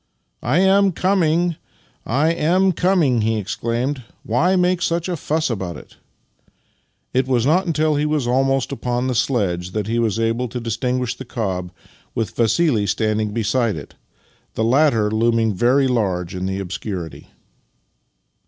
" I am coming, I am coming," he exclaimed. " Why make such a fuss about it? " It was not until he was almost upon the sledge that he was able to distinguish the cob, with Vassili stand ing beside it — the latter looming very large in the obscurity.